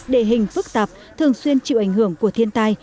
đệ hình phức tạp thường xuyên chịu ảnh hưởng của thiên tài